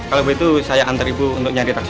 kalau begitu saya antar ibu untuk nyari taksi